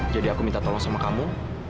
jadi aku minta tolong sama kamu